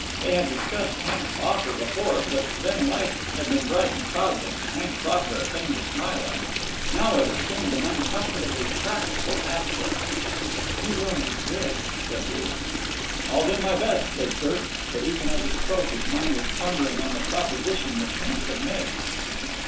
They had discussed Hank's offer before, but then life had been bright and cloudless and Hank's offer a thing to smile at. Now it had assumed an uncomfortably practical aspect. "You will make good," said Ruth. "I'll do my best," said Kirk. But even as he spoke his mind was pondering on the proposition which Hank had made.